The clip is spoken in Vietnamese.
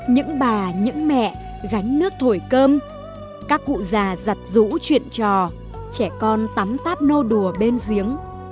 những bà những mẹ gánh nước thổi cơm các cụ già giặt rũ chuyện trò trẻ con tắm ráp nô đùa bên giếng